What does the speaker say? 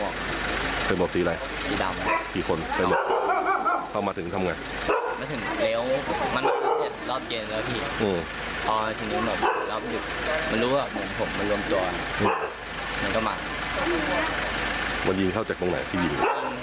เกิดขึ้นจากตรงไหนที่ยิ่ง